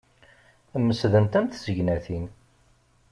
Mesdent am tsegnatin.